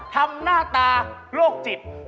หน้าตาโรคจิต